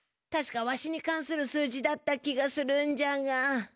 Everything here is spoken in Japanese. たしかわしにかんする数字だった気がするんじゃが。